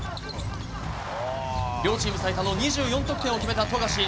両チーム最多の２４得点を決めた富樫。